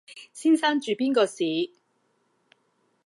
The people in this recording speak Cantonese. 先生住邊個巿？